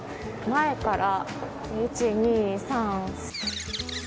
前から１、２、３。